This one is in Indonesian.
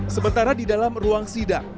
sementara di dalam ruang sidang